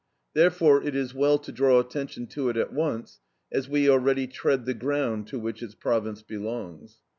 Therefore it is well to draw attention to it at once, as we already tread the ground to which its province belongs.